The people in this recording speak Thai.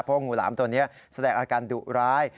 เพราะงูหลามตัวนี้แสดงอาการดุร้าย